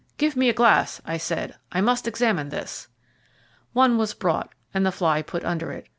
"Give me a glass," I said. "I must examine this." One was brought and the fly put under it.